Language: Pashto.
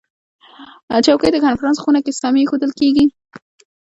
چوکۍ د کنفرانس خونه کې سمې ایښودل کېږي.